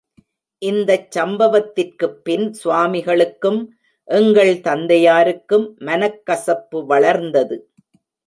இந்தச் சம்பவத்திற்குப் பின் சுவாமிகளுக்கும், எங்கள் தந்தையாருக்கும் மனக் கசப்பு வளர்ந்தது.